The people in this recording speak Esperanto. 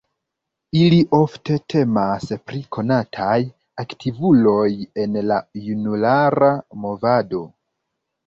Ili ofte temas pri konataj aktivuloj en la junulara movado.